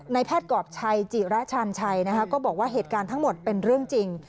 แพทย์กรอบชัยจิระชาญชัยนะคะก็บอกว่าเหตุการณ์ทั้งหมดเป็นเรื่องจริง